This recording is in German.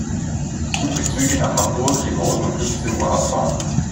Suche Züge nach Hamburg, die morgen um fünfzehn Uhr abfahren.